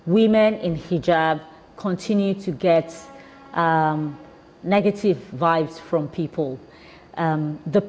perempuan yang memakai hijab terus mendapatkan ngejalan negatif dari orang orang